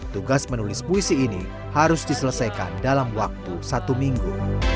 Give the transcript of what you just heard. tugas menulis puisi ini harus diselesaikan dalam waktu satu minggu